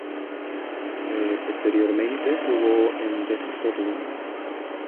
Posteriormente jugó en Defensor Lima.